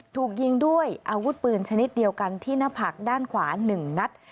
ถูกยิงด้วยอาวุธปืนชนิดเดียวกันที่หน้าผักด้านขวา๑นัด